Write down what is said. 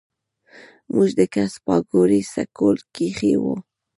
مونږ د کس پاګوړۍ سکول کښې وو